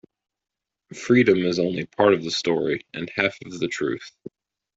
Freedom is only part of the story and half of the truth.